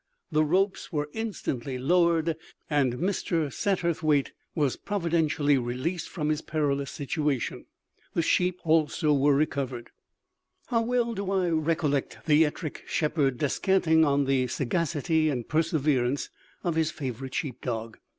The ropes were instantly lowered, and Mr. Satterthwaite was providentially released from his perilous situation. The sheep also were recovered. How well do I recollect the Ettrick Shepherd descanting on the sagacity and perseverance of his favourite sheep dog!